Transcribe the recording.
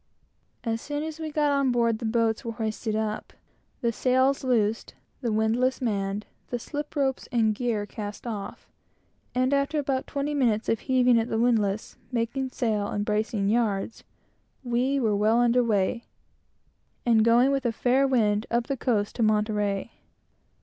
As soon as we got on board, the boats were hoisted up, the sails loosed, the windlass manned, the slip ropes and gear cast off; and after about twenty minutes of heaving at the windlass, making sail, and bracing yards, we were well under weigh, and going with a fair wind up the coast to Monterey.